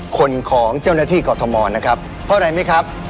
คนของเจ้าหน้าที่กรทมนะครับเพราะอะไรไหมครับ